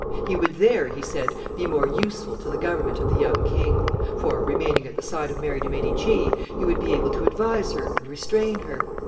He would there, he said, be more useful to the government of the young king; for, remaining at the side of Mary de' Medici, he would be able to advise her and restrain her.